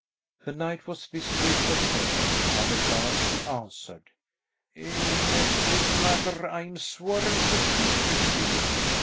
The knight was visibly perturbed, but at last he answered, "In this matter I am sworn to secrecy."